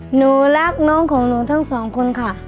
หนูรักน้องของหนูทั้งสองคนค่ะ